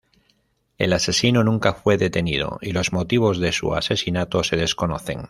El asesino nunca fue detenido, y los motivos de su asesinato se desconocen.